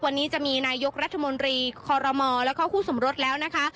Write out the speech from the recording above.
วันนี้จะมีนายกรัฐมนตรีคอรมอแล้วก็คู่สมรสแล้วนะคะ